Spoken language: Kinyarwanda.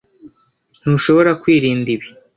Ntushobora kwirinda ibi?